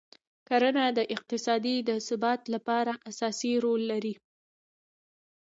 کرنه د اقتصاد د ثبات لپاره اساسي رول لري.